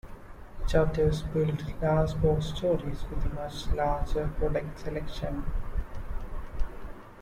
Chapters built large box stores with a much larger product selection.